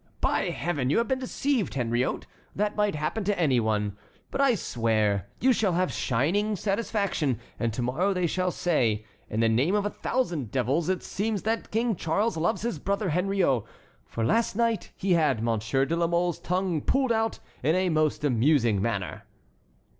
By Heaven! you have been deceived, Henriot,—that might happen to any one,—but I swear, you shall have shining satisfaction, and to morrow they shall say: In the name of a thousand devils! it seems that King Charles loves his brother Henriot, for last night he had Monsieur de la Mole's tongue pulled out in a most amusing manner."